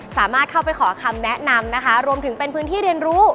สามารถเข้าไปขอคำแนะนำนะคะรวมถึงเป็นพื้นที่เรียนรู้